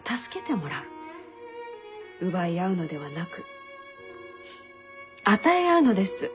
奪い合うのではなく与え合うのです。